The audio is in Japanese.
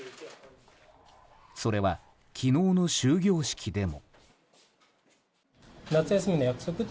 それは、昨日の終業式でも。